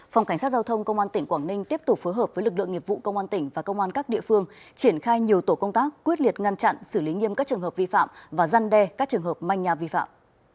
phòng cảnh sát giao thông công an tỉnh quảng ninh tiếp tục phối hợp với lực lượng nghiệp vụ công an tỉnh và công an các địa phương triển khai nhiều tổ công tác quyết liệt ngăn chặn xử lý nghiêm các trường hợp vi phạm và răn đe các trường hợp manh nhà vi phạm